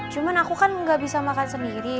cuma aku kan gak bisa makan sendiri